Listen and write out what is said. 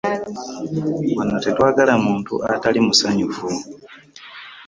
Wano tetwagala muntu atali musanyufu.